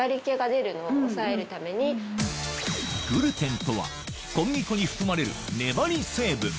グルテンとは小麦粉に含まれる粘り成分